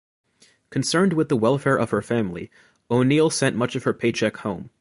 Concerned with the welfare of her family, O'Neill sent much of her paycheck home.